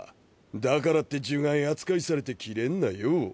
だからって呪骸扱いされてキレんなよ。